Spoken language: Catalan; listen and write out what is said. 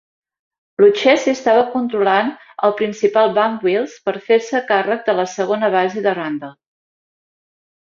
Lucchesi estava controlant al principiant Bump Wills per fer-se càrrec de la segona base de Randle.